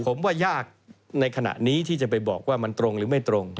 ผมว่ายากในขณะนี้ที่จะไปบอกว่ามันตรงหรือไม่ตรง